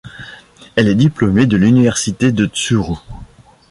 Elle est diplômée de l'Université de Tsuru.